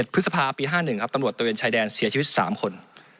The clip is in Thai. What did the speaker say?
พฤษภาปี๕๑ครับตำรวจตะเวนชายแดนเสียชีวิต๓คน